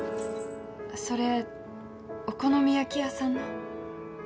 それお好み焼き屋さんの？